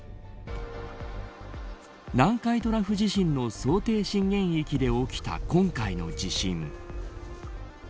南海トラフ地震の想定震源域で起きた今回の地震。